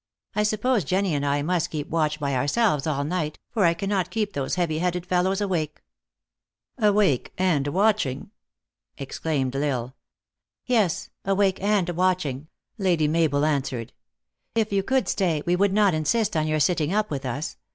I suppose Jenny and I must keep watch by ourselves all night, for I cannot keep those heavy headed fellows awake." " Awake and watching !" exclaimed L Isle. " Yes awake and watching," Lady Mabel an swered. " If you could stay we would not insist on your sitting up with us.